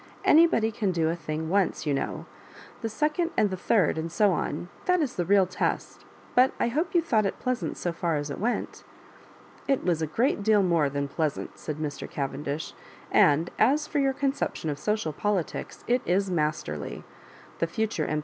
Anybody can do a* thing once, you know ; the second and the third, and so on—that is the real test But I hope you thought it pleasant so faf as it went" *'It was a great deal more than pleasant," said Mr. Cavendish; *'and as for your con ception of social politics, it is masterly," the future M.